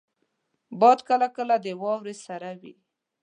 باد کله کله د واورې سره وي